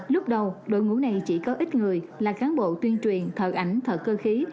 lúc đầu đội ngũ này chỉ có ít người là cán bộ tuyên truyền thợ ảnh thợ cơ khí